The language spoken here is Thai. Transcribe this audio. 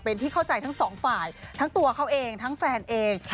เป็นที่เข้าใจทั้งสองฝ่ายทั้งตัวเขาเองทั้งแฟนเอง